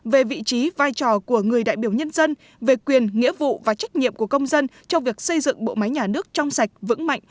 về vị trí vai trò của người đại biểu nhân dân về quyền nghĩa vụ và trách nhiệm của công dân trong việc xây dựng bộ máy nhà nước trong sạch vững mạnh